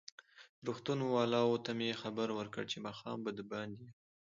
روغتون والاوو ته مې خبر ورکړ چې ماښام به دباندې یم.